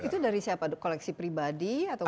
itu dari siapa koleksi pribadi atau